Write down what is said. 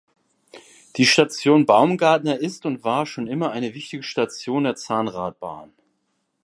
Die Station Baumgartner ist und war schon immer eine wichtige Station der Zahnradbahn.